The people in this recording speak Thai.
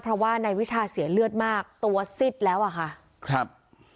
เพราะว่านายวิชาเสียเลือดมากตัวซิดแล้วอ่ะค่ะครับ